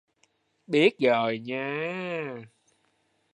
Biết rồi nhé